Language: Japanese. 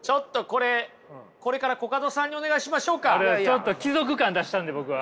ちょっと貴族感出したんで僕は。